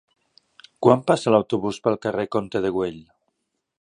Quan passa l'autobús pel carrer Comte de Güell?